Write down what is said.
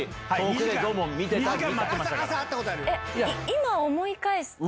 今思い返すと。